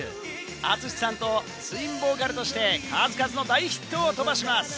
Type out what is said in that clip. ＡＴＳＵＳＨＩさんとツインボーカルとして数々の大ヒットを飛ばします。